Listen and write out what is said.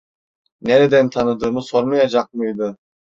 Nereden tanıdığımı sormayacak mıydı?